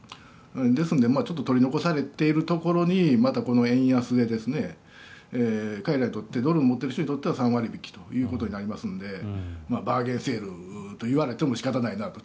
ですので、ちょっと取り残されているところにまたこの円安で、彼らにとってドルを持っている人にとっては３割引きということになりますのでバーゲンセールと言われても仕方ないなと。